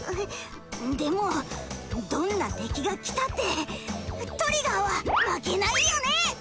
でもどんな敵が来たってトリガーは負けないよね！